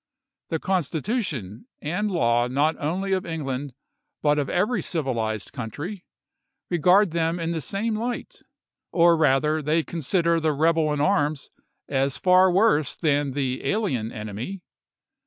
The constitution and law not only of England but of every civilized country, regard them in the same light ; or rather they consider the rebel in arms as far worse than the alien enemy.